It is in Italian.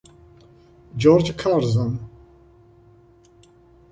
George Curzon